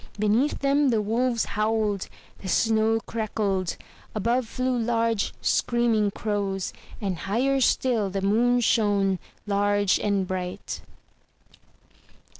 Beneath them, the wolves howled, the snow crackled; above flew large, screaming crows, and higher still the moon shone, large and bright.